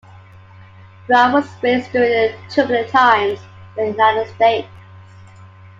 Brown was raised during turbulent times in the United States.